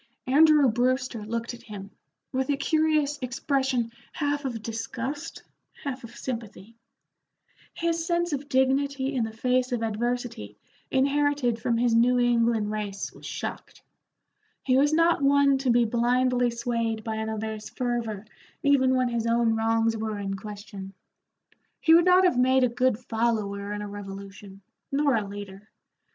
Andrew Brewster looked at him, with a curious expression half of disgust, half of sympathy. His sense of dignity in the face of adversity inherited from his New England race was shocked; he was not one to be blindly swayed by another's fervor even when his own wrongs were in question. He would not have made a good follower in a revolution, nor a leader.